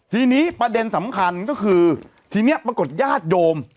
ทีนี้ประเด็นสำคัญก็คือทีนี้ปรากฏญาติโยม